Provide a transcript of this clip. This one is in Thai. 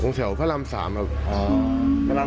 ตรงแถวพระรามสามครับ